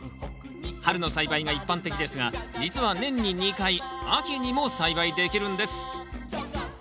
春の栽培が一般的ですが実は年に２回秋にも栽培できるんです